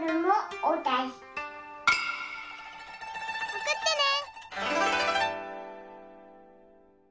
おくってね！